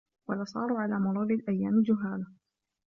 وَلَصَارُوا عَلَى مُرُورِ الْأَيَّامِ جُهَّالًا